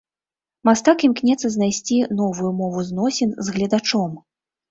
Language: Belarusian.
Мастак імкнецца знайсці новую мову зносін з гледачом.